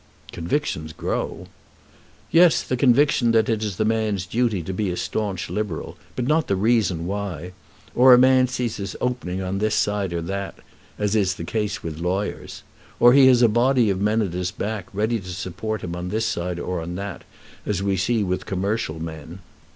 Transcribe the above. "Convictions grow." "Yes; the conviction that it is the man's duty to be a staunch Liberal, but not the reason why. Or a man sees his opening on this side or on that, as is the case with the lawyers. Or he has a body of men at his back ready to support him on this side or on that, as we see with commercial men.